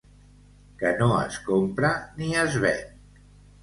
Que no es compra ni es ven.